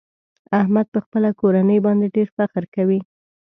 احمد په خپله کورنۍ باندې ډېر فخر کوي.